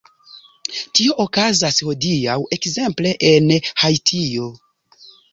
Tio okazas hodiaŭ, ekzemple, en Haitio.